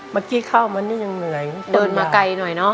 เมื่อกี้เข้ามานี่ยังเหนื่อยเดินมาไกลหน่อยเนอะ